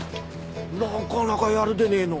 なかなかやるでねえの。